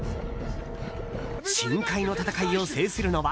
深海の戦いを制するのは？